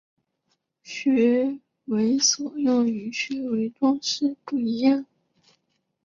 学为所用与学为‘装饰’不一样